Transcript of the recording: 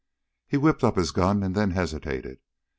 He whipped up his gun and then hesitated.